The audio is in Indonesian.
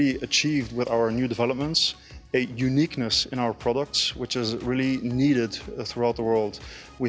saya pikir kami telah mencapai dengan pembangunan baru keunikannya dalam produk kami yang sangat diperlukan di seluruh dunia